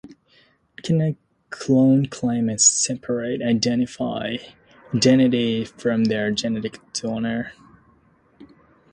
Can a clone claim a separate identity from their genetic donor?